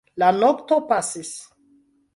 La nokto pasis.